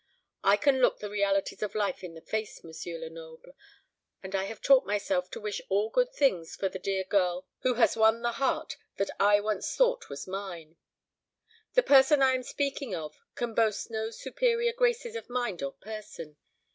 I can look the realities of life in the face, M. Lenoble; and I have taught myself to wish all good things for the dear girl who has won the heart that I once thought was mine. The person I am speaking of can boast no superior graces of mind or person.